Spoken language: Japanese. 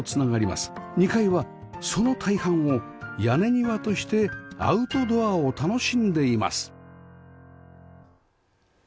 ２階はその大半を屋根庭としてアウトドアを楽しんでいます